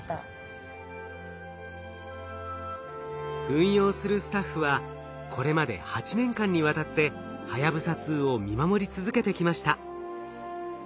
運用するスタッフはこれまで８年間にわたってはやぶさ２を見守り続けてきました。